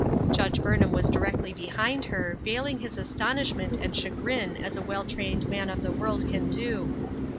Judge Burnham was directly behind her, veiling his astonishment and chagrin as a well trained man of the world can do.